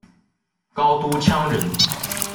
高阇羌人。